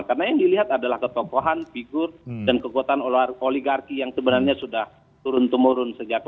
karena yang dilihat adalah ketopohan figur dan kekuatan oligarki yang sebenarnya sudah turun temurun